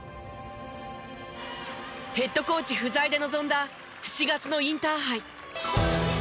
ヘッドコーチ不在で臨んだ７月のインターハイ。